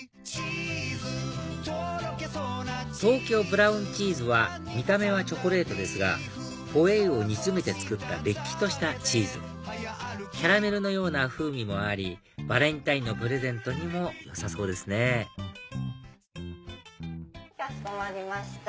東京ブラウンチーズは見た目はチョコレートですがホエーを煮つめて作ったれっきとしたチーズキャラメルのような風味もありバレンタインのプレゼントにもよさそうですねいや！